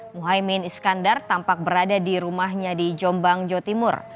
muhaymin iskandar tampak berada di rumahnya di jombang jawa timur